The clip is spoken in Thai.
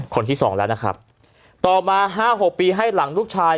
คนที่สองแล้วนะครับต่อมา๕๖ปีให้หลังลูกชาย